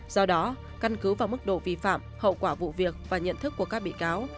do đó căn cứ vào mức độ vi phạm hậu quả vụ việc và nhận thức của các bị cáo